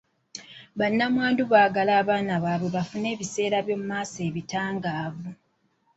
Bannamwandu baagala abaana baabwe bafune ebiseera by'omu maaso ebitangaavu.